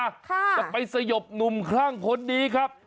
จะไปสยบหนุ่มคลั่งคนนี้ครับ